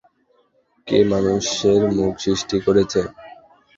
কে মানুষের মুখ সৃষ্টি করেছে?